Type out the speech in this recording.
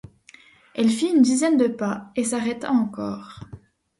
Elle fit une dizaine de pas, et s'arrêta encore.